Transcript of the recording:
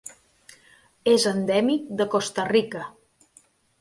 És endèmic de Costa Rica.